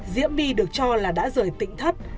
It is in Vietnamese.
diễn my được cho là đã rời tịnh thất